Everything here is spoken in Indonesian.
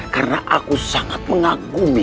karena aku sangat mengakumi